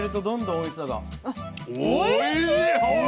おいしい！